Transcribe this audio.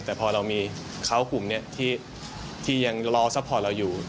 แต่พอเรามีเขากลุ่มนี้ที่ยังรอซัพพอร์ตเราอยู่